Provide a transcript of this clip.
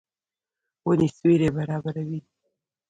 ونې سیوری برابروي.